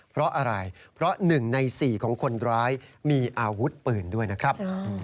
เพราะอะไรเพราะ๑ใน๔ของคนร้ายมีอาวุธปืนด้วยนะครับ